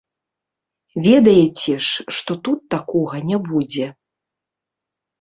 Ведаеце ж, што тут такога не будзе.